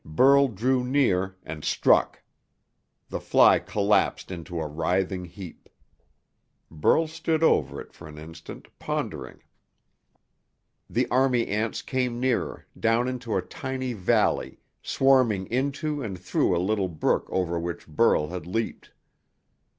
Burl drew near, and struck. The fly collapsed into a writhing heap. Burl stood over it for an instant, pondering. The army ants came nearer, down into a tiny valley, swarming into and through a little brook over which Burl had leaped.